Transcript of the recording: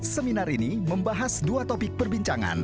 seminar ini membahas dua topik perbincangan